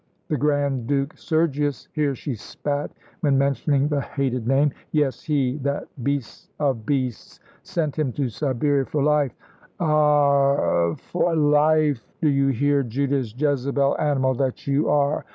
The Grand Duke Sergius" here she spat when mentioning the hated name "yes, he, that beast of beasts, sent him to Siberia for life; ar r r for life! do you hear, Judas, Jezebel, animal that you are!